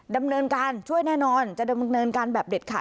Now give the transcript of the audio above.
ดำเนินการช่วยแน่นอนจะดำเนินการแบบเด็ดขาด